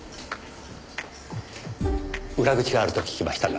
裏口があると聞きましたが。